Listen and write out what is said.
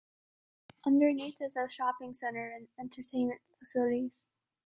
Underneath it is a shopping centre and entertainment facilities.